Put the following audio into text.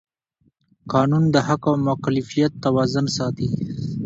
قانون د حق او مکلفیت توازن ساتي.